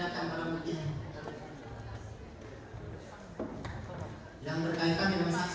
ada masing masing apa yang mau dikatakan